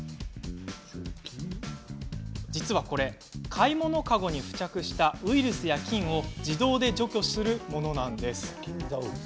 実はこれ、買い物カゴに付着したウイルスや菌を自動で除去するものなんです。